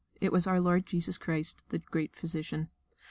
It was our Lord Jesus Christ the Great Physician.